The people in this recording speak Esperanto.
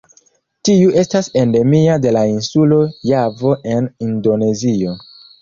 Tiu estas endemia de la insulo Javo en Indonezio.